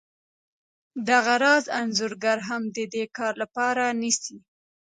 دغه راز انځورګر هم د دې کار لپاره نیسي